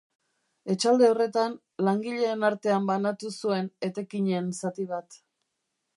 Etxalde horretan, langileen artean banatu zuen etekinen zati bat.